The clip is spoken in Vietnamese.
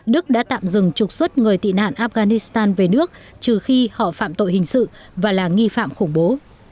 đưa người tị nạn afghanistan về nước trừ khi họ phạm tội hình sự và là nghi phạm khủng bố